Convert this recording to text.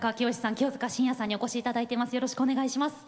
清塚信也さんにお越しいただいています。